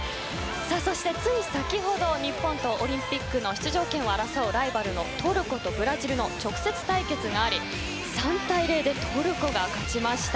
そして、つい先ほど日本とオリンピックの出場権を争うライバルのトルコとブラジルの直接対決があり３対０でトルコが勝ちました。